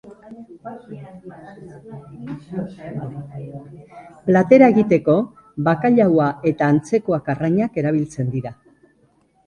Platera egiteko bakailaoa eta antzekoak arrainak erabiltzen dira.